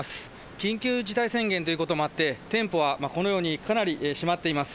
緊急事態宣言ということもあって、店舗はこのようにかなり閉まっています。